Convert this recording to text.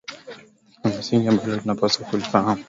la msingi ambalo tunapaswa kulifahamu ni kwamba hawakutekwa